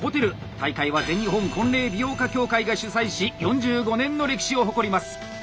大会は全日本婚礼美容家協会が主催し４５年の歴史を誇ります。